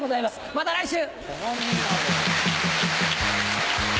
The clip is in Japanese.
また来週！